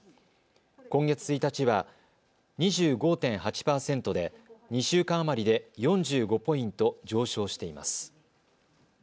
今月１日は２５．８％で２週間余りで４５ポイント上昇しています。